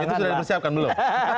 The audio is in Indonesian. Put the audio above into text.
itu sudah dipersiapkan belum